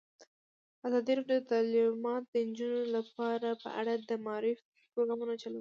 ازادي راډیو د تعلیمات د نجونو لپاره په اړه د معارفې پروګرامونه چلولي.